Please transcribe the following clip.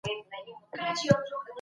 فشار مه زیاتوه.